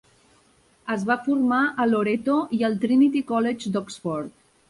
Es va formar a Loretto i al Trinity College d'Oxford.